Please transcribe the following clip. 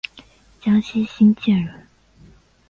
江西新建人。